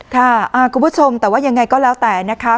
คุณผู้ชมแต่ว่ายังไงก็แล้วแต่นะคะ